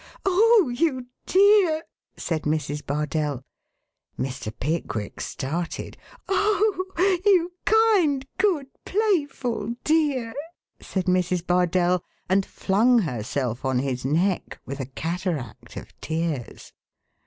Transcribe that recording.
"Oh, you dear " said Mrs. Bardell. Mr. Pickwick started. "Oh, you kind, good, playful dear!" said Mrs. Bardell, and flung herself on his neck with a cataract of tears.